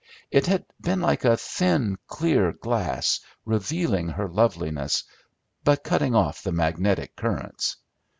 It had been like a thin, clear glass, revealing her loveliness, but cutting off the magnetic currents.